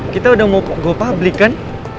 kita udah mau go public kan